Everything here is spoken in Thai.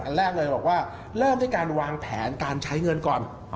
แรกเลยบอกว่าเริ่มด้วยการวางแผนการใช้เงินก่อน